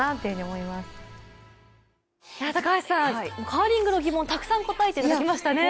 カーリングの疑問たくさん答えていただきましたね。